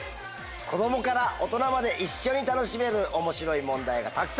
子供から大人まで一緒に楽しめる面白い問題がたくさん！